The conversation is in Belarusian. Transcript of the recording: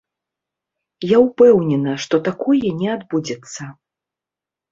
Я ўпэўнена, што такое не адбудзецца.